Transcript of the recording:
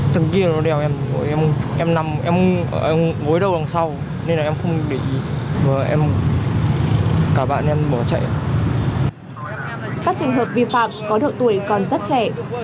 các trường hợp vi phạm có độ tuổi còn rất trẻ